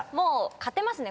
勝てますね